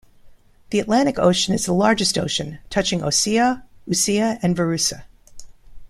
The Atlantic Ocean is the largest ocean, touching Osea, Usea, and Verusa.